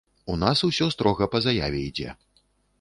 У нас усё строга па заяве ідзе.